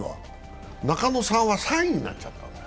中野さんは３位になっちゃった。